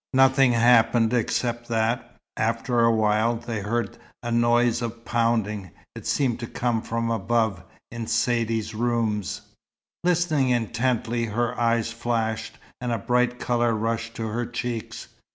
Nothing happened except that, after a while, they heard a noise of pounding. It seemed to come from above, in Saidee's rooms. Listening intently, her eyes flashed, and a bright colour rushed to her cheeks.